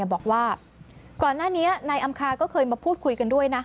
บอกว่าก่อนหน้านี้นายอำคาก็เคยมาพูดคุยกันด้วยนะ